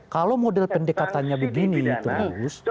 kalau model pendekatannya begini terus